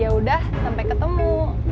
yaudah sampai ketemu